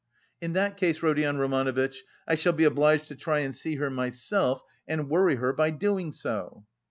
"In that case, Rodion Romanovitch, I shall be obliged to try and see her myself and worry her by doing so."